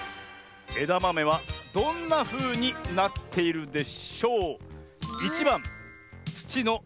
えだまめはどんなふうになっているでしょう？